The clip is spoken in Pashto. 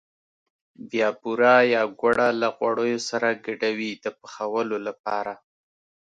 بیا بوره یا ګوړه له غوړیو سره ګډوي د پخولو لپاره.